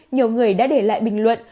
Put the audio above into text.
nhiều người đã để lại bình luận